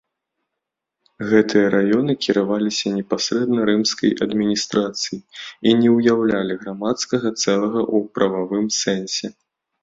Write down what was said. Гэтыя раёны кіраваліся непасрэдна рымскай адміністрацыяй і не ўяўлялі грамадскага цэлага ў прававым сэнсе.